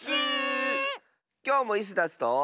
きょうもイスダスと。